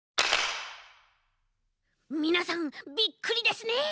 みなさんびっくりですね？